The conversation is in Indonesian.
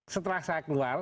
setelah saya keluar